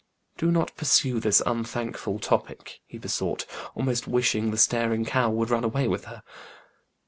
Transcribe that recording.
"Do not pursue this unthankful topic," he besought, almost wishing the staring cow would run away with her.